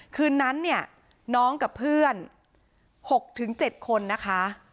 คืนนั้นเนี่ยน้องกับเพื่อน๖๗คนนะคะ